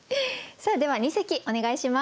さあでは二席お願いします。